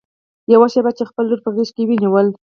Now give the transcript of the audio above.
يوه شېبه يې خپله لور په غېږ کې ونيوله.